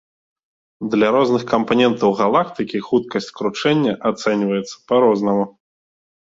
Для розных кампанентаў галактыкі хуткасць кручэння ацэньваецца па-рознаму.